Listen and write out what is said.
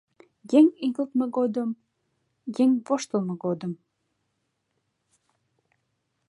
Еҥ игылтме годым, еҥ воштылмо годым